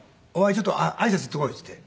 ちょっと挨拶行ってこい」って言って。